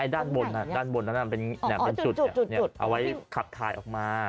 ด้านบนด้านบนนั้นเป็นจุดเอาไว้ขับคายออกมา